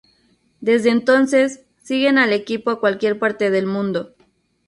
Desde entonces siguen al equipo a cualquier parte del mundo.